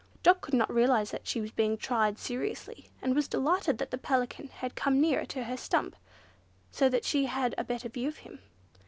Dot could not realise that she was being tried seriously, and was delighted that the Pelican had come nearer to her stump, so that she had a better view of him.